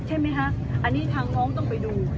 ใช่ไหมคะอันนี้ทางน้องต้องไปดู